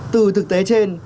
từ thực tế trên